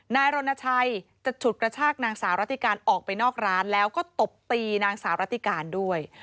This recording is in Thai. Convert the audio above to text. นายรณชัยจะฉุดกระชากนางสาวรัติการออกไปนอกร้านแล้วก็ตบตีนางสาวรัติการด้วย